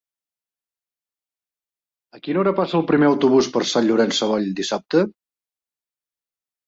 A quina hora passa el primer autobús per Sant Llorenç Savall dissabte?